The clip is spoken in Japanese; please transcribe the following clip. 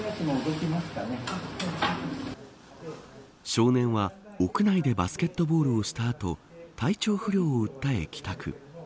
少年は、屋内でバスケットボールをした後体調不良を訴え帰宅。